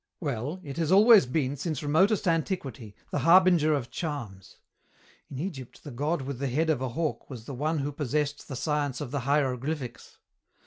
"Well, it has always been, since remotest antiquity, the harbinger of charms. In Egypt the god with the head of a hawk was the one who possessed the science of the hieroglyphics.